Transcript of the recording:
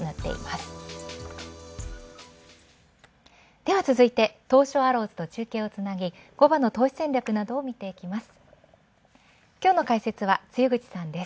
では、続いて東証アローズと中継をつなぎ午後の投資戦略などを見ていきます。